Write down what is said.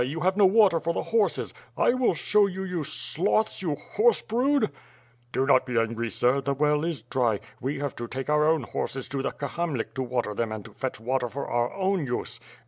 You have no water for the horses! I will show you, you sloths, you horse brood!" *T)o not be angry, sir. The well is dry. We have to take our own horses to the Kahamlik to water them and to fetch water for our own use."